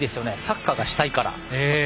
サッカーがしたいから。